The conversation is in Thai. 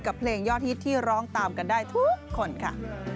เพลงยอดฮิตที่ร้องตามกันได้ทุกคนค่ะ